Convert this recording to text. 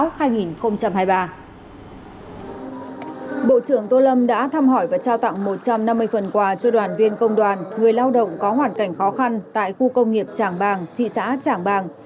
bộ trưởng tô lâm đã thăm hỏi và trao tặng một trăm năm mươi phần quà cho đoàn viên công đoàn người lao động có hoàn cảnh khó khăn tại khu công nghiệp tràng bàng thị xã trảng bàng